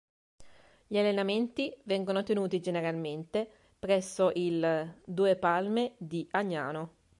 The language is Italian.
Gli allenamenti vengono tenuti generalmente presso il "Due Palme" di Agnano.